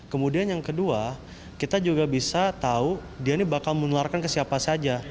kemudian yang kedua kita juga bisa tahu dia ini bakal menularkan ke siapa saja